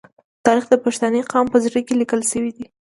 تاریخ د پښتني قام په زړه کې لیکل شوی.